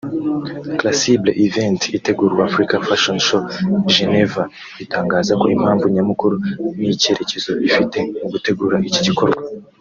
Crucible Events itegura Africa Fashion Show Geneva itangaza ko impamvu nyamukuru n’icyerekezo ifite mu gutegura iki gikorwa